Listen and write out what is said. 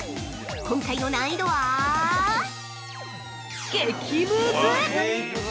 今回の難易度は、激ムズ。